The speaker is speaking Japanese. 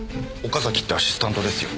岡崎ってアシスタントですよ。